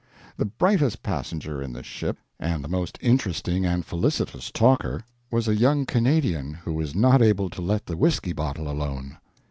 The brightest passenger in the ship, and the most interesting and felicitous talker, was a young Canadian who was not able to let the whisky bottle alone.